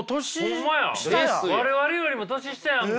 ホンマや我々よりも年下やんか。